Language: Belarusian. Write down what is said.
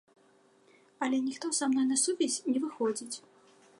Але ніхто са мной на сувязь не выходзіць.